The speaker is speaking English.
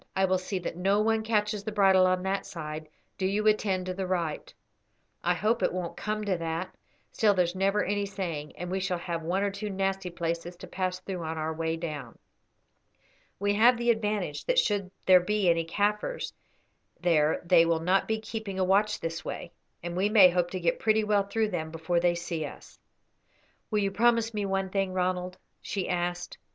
I will see that no one catches the bridle on that side; do you attend to the right. I hope it won't come to that, still there's never any saying, and we shall have one or two nasty places to pass through on our way down. We have the advantage that should there be any Kaffirs there they will not be keeping a watch this way, and we may hope to get pretty well through them before they see us." "Will you promise me one thing, Ronald?" she asked.